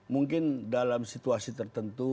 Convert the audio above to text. mungkin dalam situasi tertentu